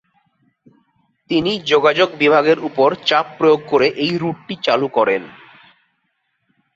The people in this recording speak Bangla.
তিনি যোগাযোগ বিভাগের উপর চাপ প্রয়োগ করে এই রুটটি চালু করেন।